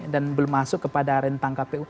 dan belum masuk kepada rentang kpu